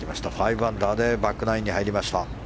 ５アンダーでバックナインに入りました。